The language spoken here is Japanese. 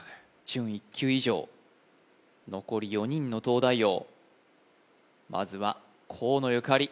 準１級以上残り４人の東大王まずは河野ゆかり